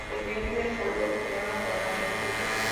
El vientre es color crema con manchas grises.